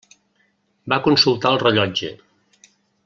Va consultar el rellotge.